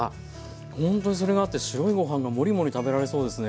ほんとにそれがあって白いご飯がもりもり食べられそうですね。